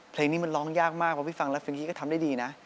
เพลงนี้มันร้องยากมากเพราะพี่ฟังแล้วฟิงกี้ก็ทำได้ดีนะ